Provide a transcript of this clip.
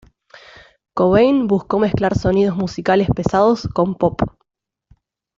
Cobain buscó mezclar sonidos musicales pesados con pop.